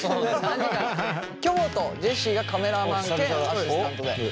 きょもとジェシーがカメラマン兼アシスタントで。